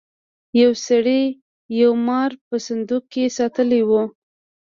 یو سړي یو مار په صندوق کې ساتلی و.